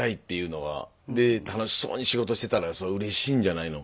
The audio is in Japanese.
で楽しそうに仕事してたらそれはうれしいんじゃないの。